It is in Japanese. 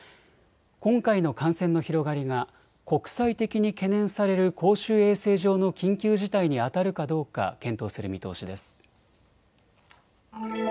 今回の感染の広がりが国際的に懸念される公衆衛生上の緊急事態にあたるかどうか検討する見通しです。